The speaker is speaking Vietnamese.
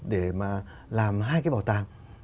để mà làm hai cái bảo tàng